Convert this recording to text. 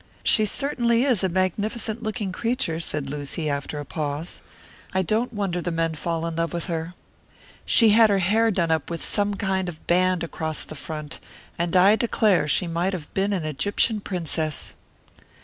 "She certainly is a magnificent looking creature," said Lucy, after a pause. "I don't wonder the men fall in love with her. She had her hair done up with some kind of a band across the front, and I declare she might have been an Egyptian princess."